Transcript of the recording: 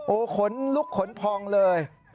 โอ้โหขนลุกขนพองเลย